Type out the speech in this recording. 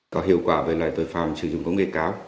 có hiệu quả với loại tội phạm sử dụng công nghệ cao